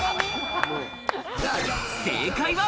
正解は。